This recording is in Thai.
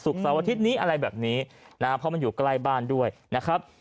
เสาร์อาทิตย์นี้อะไรแบบนี้นะฮะเพราะมันอยู่ใกล้บ้านด้วยนะครับ